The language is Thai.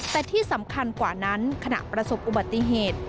แต่ที่สำคัญกว่านั้นขณะประสบอุบัติเหตุ